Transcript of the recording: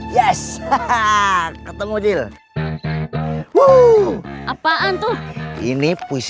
yes hahaha ketemu jil wu apaan tuh ini puisi